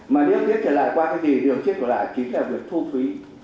mà điều tiết trở lại qua cái gì điều tiết trở lại chính là việc thu phí